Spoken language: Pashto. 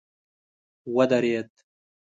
ودريد.